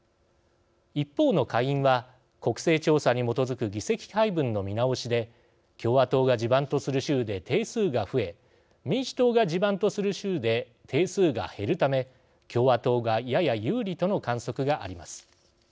一方の下院は、国勢調査に基づく議席配分の見直しで共和党が地盤とする州で定数が増え民主党が地盤とする州で定数が減るため共和党がやや有利との観測があります。